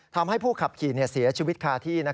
ทำให้ผู้ขับขี่เสียชีวิตคาที่